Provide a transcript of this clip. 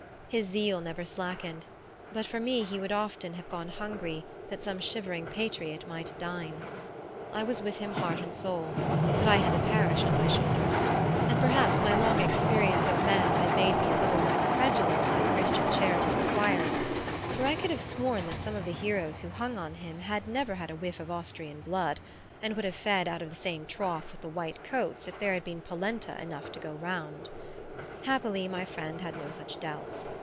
His zeal never slackened; and but for me he would often have gone hungry that some shivering patriot might dine. I was with him heart and soul, but I had the parish on my shoulders, and perhaps my long experience of men had made me a little less credulous than Christian charity requires; for I could have sworn that some of the heroes who hung on him had never had a whiff of Austrian blood, and would have fed out of the same trough with the white coats if there had been polenta enough to go round. Happily my friend had no such doubts.